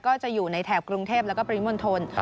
ก็จะอยู่ในแถบกรุงเทพแล้วก็ปริมณฑล